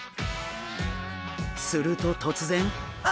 すると突然！